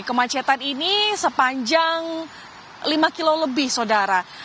kemacetan ini sepanjang lima km lebih sodara